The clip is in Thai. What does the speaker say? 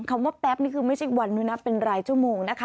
คำว่าแป๊บนี่คือไม่ใช่วันด้วยนะเป็นรายชั่วโมงนะคะ